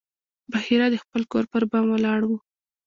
بحیرا د خپل کور پر بام ولاړ و.